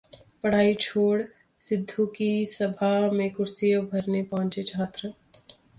पढ़ाई छोड़ सिद्धू की सभा में कुर्सियां भरने पहुंचे छात्र